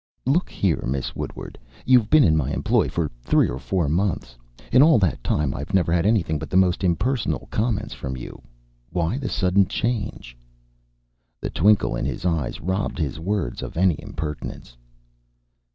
"Look here, Miss Woodward, you've been in my employ for three or four months. In all that time I've never had anything but the most impersonal comments from you. Why the sudden change?" The twinkle in his eyes robbed his words of any impertinence.